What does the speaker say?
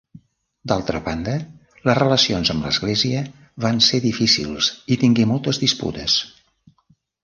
D'altra banda, les relacions amb l'Església van ser difícils i tingué moltes disputes.